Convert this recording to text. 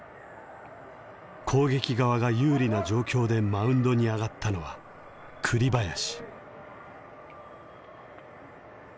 攻撃側が有利な状況でマウンドに上がったのは栗林。